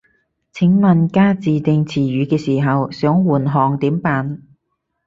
請問加自訂詞語嘅時候，想換行點辦